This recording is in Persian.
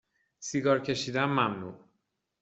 سیگار کشیدن ممنوع